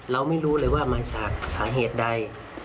เราไม่รู้เลยว่ามาจากสาเหตุใด